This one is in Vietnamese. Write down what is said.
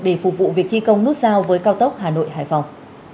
để phục vụ việc thi công nút giao với cao tốc hà nội hải phòng